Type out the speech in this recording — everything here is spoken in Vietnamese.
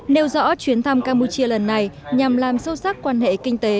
nêu rõ chuyến thăm campuchia lần này nhằm làm sâu sắc quan hệ kinh tế